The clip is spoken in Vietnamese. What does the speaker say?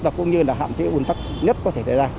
và cũng như là hạn chế un tắc nhất có thể xảy ra